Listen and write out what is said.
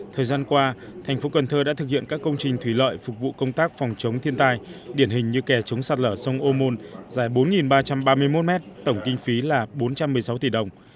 thời gian qua thành phố cần thơ đã thực hiện các công trình thủy lợi phục vụ công tác phòng chống thiên tai điển hình như kè chống sạt lở sông ô môn dài bốn ba trăm ba mươi một m tổng kinh phí là bốn trăm một mươi sáu tỷ đồng